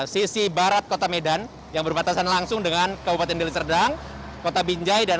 sisi barat kota medan yang berbatasan langsung dengan kabupaten deliserdang kota binjai dan